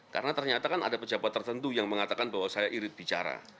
karena ternyata kan ada pejabat tertentu yang mengatakan bahwa saya irit bicara